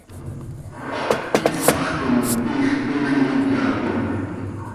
Iquiisax com, tiix toox imiyat iha.